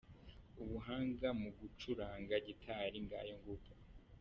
Ubuhanga mu gucuranga gitari, ngayo nguko.